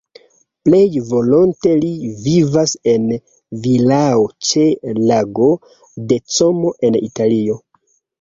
Plej volonte li vivas en vilao ĉe Lago de Como en Italio.